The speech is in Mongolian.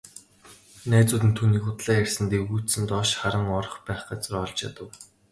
Найзууд нь түүнийг худлаа ярьсанд эвгүйцэн доош харан орох байх газраа олж ядав.